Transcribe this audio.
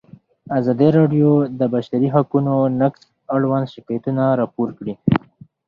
ازادي راډیو د د بشري حقونو نقض اړوند شکایتونه راپور کړي.